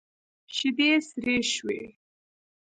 شيدې سرې شوې.